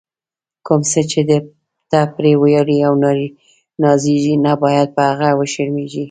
کوم څه چې ته پرې ویاړې او نازېږې، نه باید په هغه وشرمېږې.